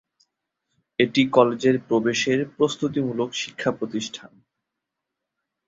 এটি কলেজের প্রবেশের প্রস্তুতিমূলক শিক্ষা প্রতিষ্ঠান।